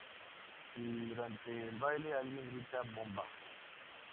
Si durante el baile alguien grita "¡Bomba!